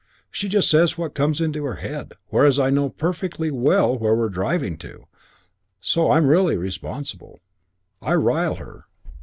She just says what comes into her head, whereas I know perfectly well where we're driving to, so I'm really responsible. I rile her.